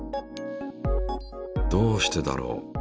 どうしてだろう？